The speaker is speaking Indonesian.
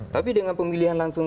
tapi dengan pemilihan langsung